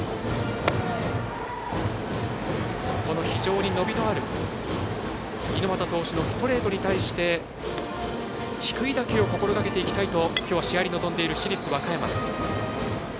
非常に伸びのある猪俣投手のストレートに対して低い打球を心がけていきたいときょうは試合に臨んでいる市立和歌山。